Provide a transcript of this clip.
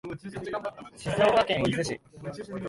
静岡県伊豆市